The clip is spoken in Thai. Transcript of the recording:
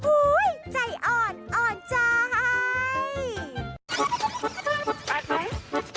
อุ้ยใจอ่อนอ่อนใจ